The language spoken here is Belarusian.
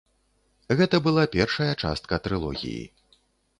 Гэта была першая частка трылогіі.